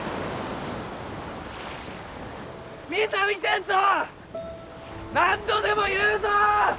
みんな見てんぞ何度でも言うぞ！